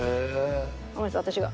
ごめんなさい私が。